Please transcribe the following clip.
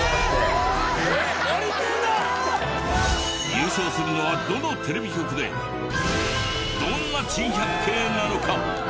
優勝するのはどのテレビ局でどんな珍百景なのか？